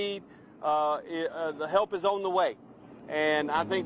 adalah bantuan yang diperlukan